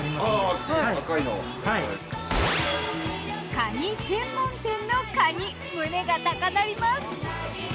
かに専門店のかに胸が高鳴ります。